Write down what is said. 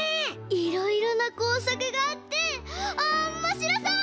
いろいろなこうさくがあっておもしろそう！